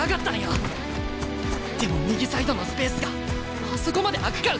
でも右サイドのスペースがあそこまで空くか？